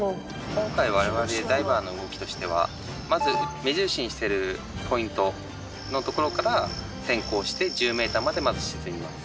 今回われわれダイバーの動きとしてはまず目印にしてるポイントの所から潜行して１０ｍまでまず沈みます。